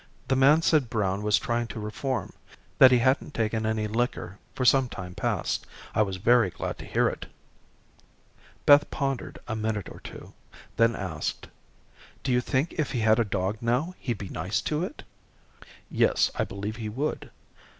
The man said Brown was trying to reform; that he hadn't taken any liquor for some time past. I was very glad to hear it." Beth pondered a minute or two, then asked: "Do you think if he had a dog now he'd be nice to it?" "Yes, I believe he would.